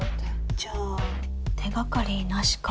じゃあ手掛かりなしか。